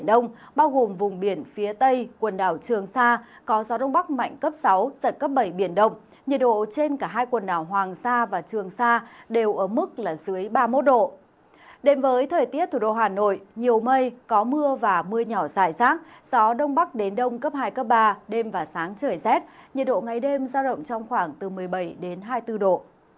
đến đông cấp hai cấp ba đêm và sáng trời rét nhiệt độ ngày đêm giao động trong khoảng từ một mươi bảy đến hai mươi bốn độ